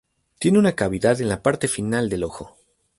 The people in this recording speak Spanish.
Tiene una cavidad en la parte final del ojo.